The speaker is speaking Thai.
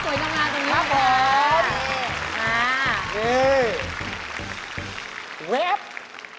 ของแดมมาชนของสวยอย่างงานตรงนี้ครับคุณแม่ตั๊ก